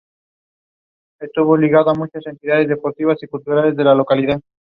Dunbar was born in Peterhead and educated in Elgin.